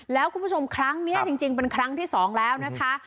แล้วคุณผู้ชมครั้งนี้จริงเป็นครั้งที่สองแล้วนะคะ